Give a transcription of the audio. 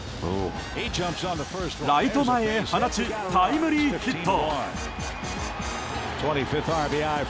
ライト前へ放ちタイムリーヒット。